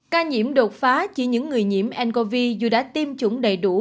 ca nhiễm đột phá chỉ những người nhiễm ncov dù đã tiêm chủng đầy đủ